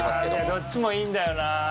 どっちもいいんだよなあ。